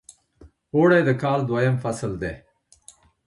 اوړی د کال دویم فصل دی .